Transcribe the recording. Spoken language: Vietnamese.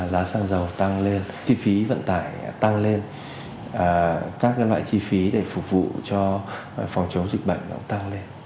giá xăng dầu tăng lên kinh phí vận tải tăng lên các loại chi phí để phục vụ cho phòng chống dịch bệnh cũng tăng lên